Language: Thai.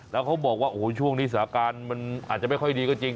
แล้วเขาบอกว่าโอ้โหช่วงนี้สถานการณ์มันอาจจะไม่ค่อยดีก็จริง